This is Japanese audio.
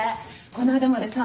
この間までさ